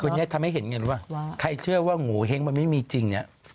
คนนี้ทำให้เห็นไงรู้ไหมใครเชื่อว่าหมูเห้งมันไม่มีจริง